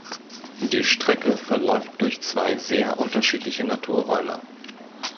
Die Strecke verläuft durch zwei sehr unterschiedliche Naturräume.